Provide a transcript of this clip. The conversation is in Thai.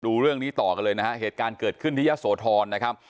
ดูเรื่องนี้ต่อกันเลยนะฮะเหตุการณ์เกิดขึ้นที่ยะโสธรนะครับ